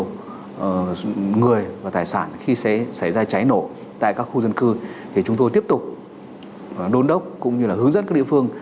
nhiều người và tài sản khi sẽ xảy ra cháy nổ tại các khu dân cư thì chúng tôi tiếp tục đôn đốc cũng như là hướng dẫn các địa phương